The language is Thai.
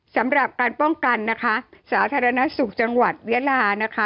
สำหรับการป้องกันนะคะสาธารณสุขจังหวัดยาลานะคะ